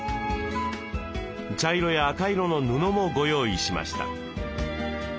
茶色や赤色の布もご用意しました。